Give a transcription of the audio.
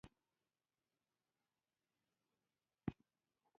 هګۍ د تخم په ډول هم کښت کېږي.